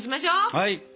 はい。